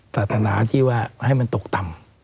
ศาสนาที่ว่าให้มันตกต่ำ